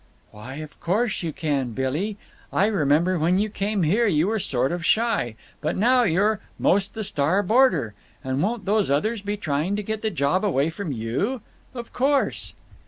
"Why, of course you can, Billy. I remember when you came here you were sort of shy. But now you're 'most the star boarder! And won't those others be trying to get the job away from you? Of course!"